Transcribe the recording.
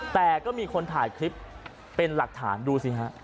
แต่ก็มีคนถ่ายคลิปเป็นหลักฐานดูสิฮะ